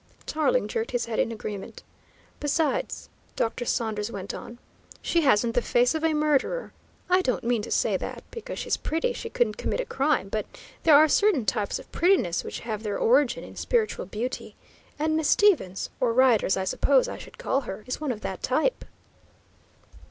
Tarling jerked his head in agreement. "Besides," Dr. Saunders went on, "she hasn't the face of a murderer. I don't mean to say that because she's pretty she couldn't commit a crime, but there are certain types of prettiness which have their origin in spiritual beauty, and Miss Stevens, or Rider, as I suppose I should call her, is one of that type."